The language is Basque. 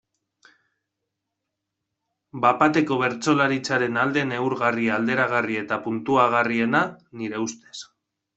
Bat-bateko bertsolaritzaren alde neurgarri, alderagarri eta puntuagarriena, nire ustez.